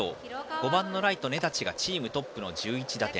５番、根立がチームトップの１１打点。